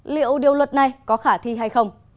liệu điều luật này có khả thi hay không